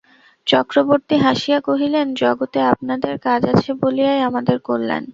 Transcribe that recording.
চক্রবর্তী হাসিয়া কহিলেন, জগতে আপনাদের কাজ আছে বলিয়াই আমাদের কল্যাণ।